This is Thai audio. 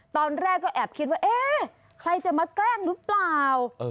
ตอนแรกก็แอบคิดว่าเอ๊ะใครจะมาแกล้งหรือเปล่า